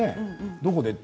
どこで？って。